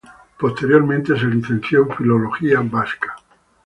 Posteriormente se licenció en Filología Vasca.